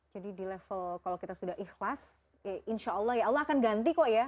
jadi di level kalau kita sudah ikhlas insya allah ya allah akan ganti kok ya